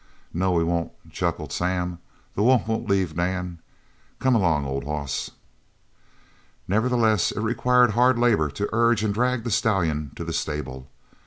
"No, we won't," chuckled Sam, "the wolf won't leave Dan. Come on along, old hoss." Nevertheless it required hard labour to urge and drag the stallion to the stable.